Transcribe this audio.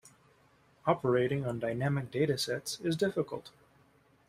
Operating on dynamic data sets is difficult.